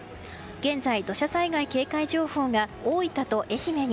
現在、土砂災害警戒情報が大分と愛媛に。